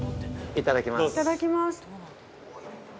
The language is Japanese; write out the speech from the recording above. ◆いただきます。